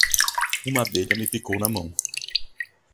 Uma abelha me picou na mão.